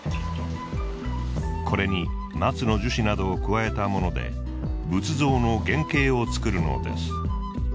これに松の樹脂などを加えたもので仏像の原型を作るのです。